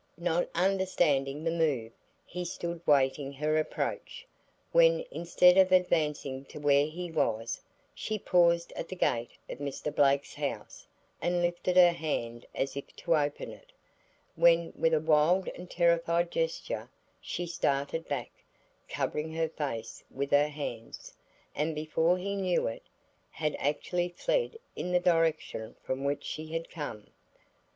Not understanding the move, he stood waiting her approach, when instead of advancing to where he was, she paused at the gate of Mr. Blake's house and lifted her hand as if to open it, when with a wild and terrified gesture she started back, covering her face with her hands, and before he knew it, had actually fled in the direction from which she had come.